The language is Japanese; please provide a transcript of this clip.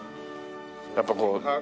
やっぱこう。